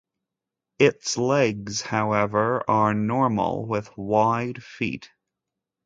Its legs, however, are normal with wide feet.